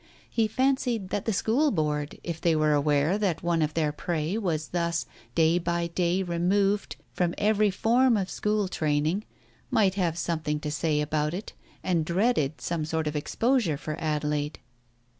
He fancied that the School Board, if they were aware that one of their prey was thus day by day re moved from every form of school training, might have something to say about it, and dreaded some sort of exposure for Adelaide.